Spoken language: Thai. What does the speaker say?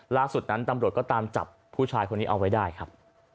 ล่าสุดนั้นตำรวจก็ตามจับผู้ชายคนนี้เอาไว้ได้ครับ